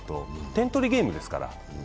点取りゲームですから。